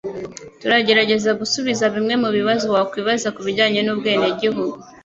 turagerageza gusubiza bimwe mu bibazo wakwibaza ku bijyanye n'ubwenegihugu